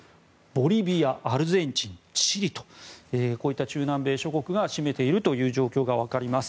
ボリビア、アルゼンチン、チリとこういった中南米諸国が占めている状況が分かります。